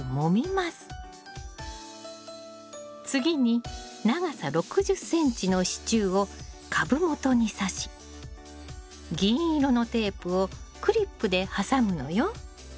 次に長さ６０ｃｍの支柱を株元にさし銀色のテープをクリップで挟むのよ。